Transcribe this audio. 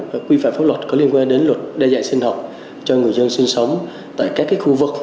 và quy phạm pháp luật có liên quan đến luật đa dạng sinh học cho người dân sinh sống tại các khu vực